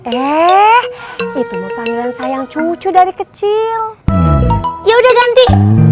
eh itu panggilan sayang cucu dari kecil ya udah ganti